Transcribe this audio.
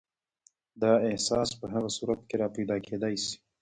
دا احساس په هغه صورت کې راپیدا کېدای شي.